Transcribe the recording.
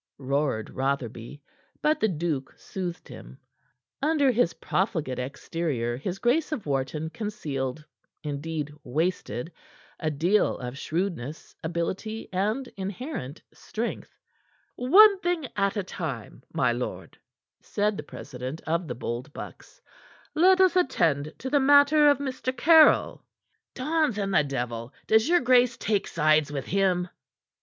roared Rotherby. But the duke soothed him. Under his profligate exterior his Grace of Wharton concealed indeed, wasted a deal of shrewdness, ability and inherent strength. "One thing at a time, my lord," said the president of the Bold Bucks. "Let us attend to the matter of Mr. Caryll." "Dons and the devil! Does your grace take sides with him?"